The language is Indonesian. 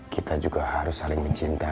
kenzo tahu apa itu cinta